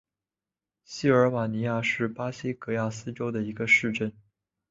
锡尔瓦尼亚是巴西戈亚斯州的一个市镇。